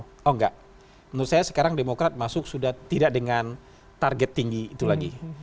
oh enggak menurut saya sekarang demokrat masuk sudah tidak dengan target tinggi itu lagi